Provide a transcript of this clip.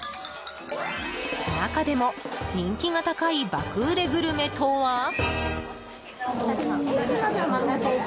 中でも人気が高い爆売れグルメとは？